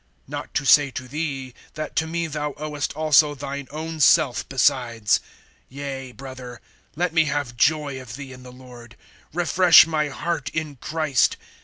Not to say to thee, that to me thou owest also thine own self besides. (20)Yea, brother, let me have joy of thee in the Lord. Refresh my heart in Christ.